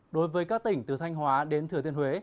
đối với các tỉnh từ thanh hóa đến thừa thiên huế